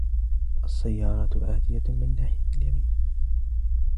السيارة آتيه من ناحية اليمين.